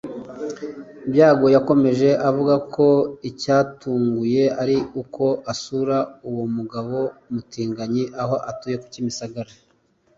Byago yakomeje avuga ko icyamutunguye ari uko asura uwo mugabo Mutinganyi aho atuye ku Kimisagara